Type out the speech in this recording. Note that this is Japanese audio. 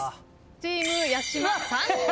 チーム八嶋３人正解。